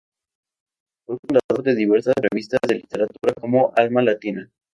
Fue fundador de diversas revistas de literatura, como "Alma latina".